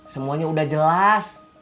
semuanya udah jelas